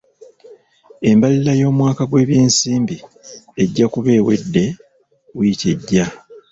Embalirira y'omwaka gw'ebyensimbi ejja kuba eweddw wiiki ejja.